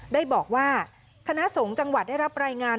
ได้บอกว่าคณะสงฆ์จังหวัดได้รับรายงาน